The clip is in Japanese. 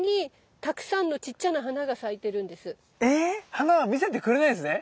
⁉花は見せてくれないんですね。